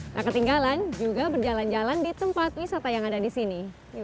tak ketinggalan juga berjalan jalan di tempat wisata yang ada di sini